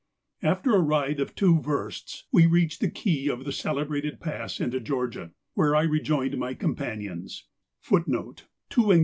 After a ride of two versts,* we reached the key of the celebrated pass into Greorgia, where I rejoined my companions.